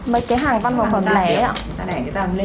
mấy cái hàng văn vào phần lẻ ạ